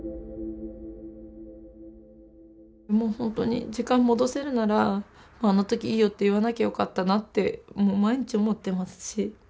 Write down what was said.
もうほんとに時間戻せるならあの時「いいよ」って言わなきゃよかったなって毎日思ってますし。